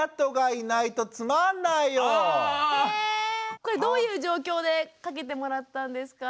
これどういう状況でかけてもらったんですか？